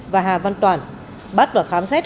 và hà văn toàn bắt và khám xét